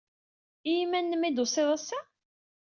I yiman-nnem ay d-tusiḍ ass-a?